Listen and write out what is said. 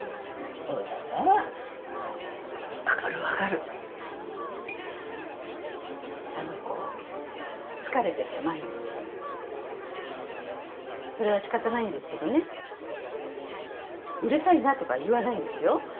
そうだなわかるわかるあの子疲れてて毎日それはしかたないんですけどねうるさいなとか言わないんですよ